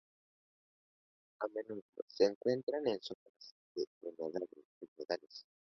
A menudo se encuentran en zonas de humedales.